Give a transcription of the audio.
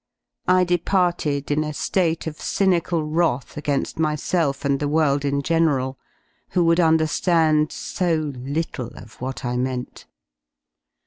I departed in a ^ate of cynical wrath again^ myself and the world in general, who would underhand so little of what I meant.